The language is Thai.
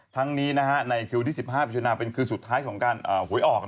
ทั้งนี้ในคลิป๒๕เปิดช้อหน้าเป็นคือสุดท้ายของการหวยออก